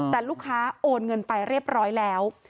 แต่ลูกค้าโอนเงินไปเรียบร้อยแล้ว